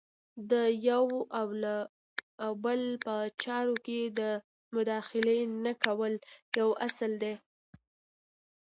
د یو او بل په چارو کې د مداخلې نه کول یو اصل دی.